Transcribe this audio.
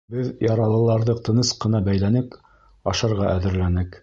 Беҙ яралыларҙы тыныс ҡына бәйләнек, ашарға әҙерләнек.